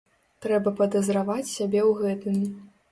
Трэба падазраваць сябе ў гэтым.